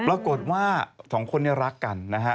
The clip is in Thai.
ปรากฏว่าสองคนนี้รักกันนะฮะ